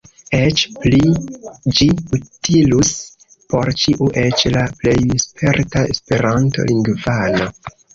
Eĉ pli – ĝi utilus por ĉiu, eĉ la plej sperta Esperanto-lingvano.